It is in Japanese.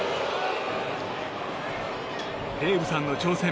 デイブさんの挑戦